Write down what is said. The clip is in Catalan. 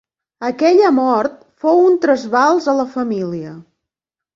Aquella mort fou un trasbals a la família.